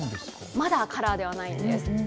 まだカラーではないんです。